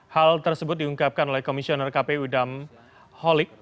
hal tersebut diungkapkan oleh komisioner kpu dam holik